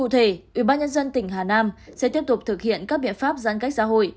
thế ubnd tỉnh hà nam sẽ tiếp tục thực hiện các biện pháp giãn cách xã hội